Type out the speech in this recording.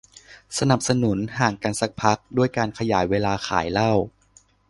สนับสนุนการ ห่างกันสักพัก ด้วยการขยายเวลาขายเหล้า